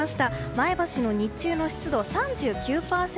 前橋の日中の湿度は３９％。